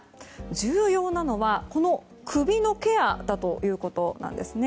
重要なのはこの首のケアだということなんです。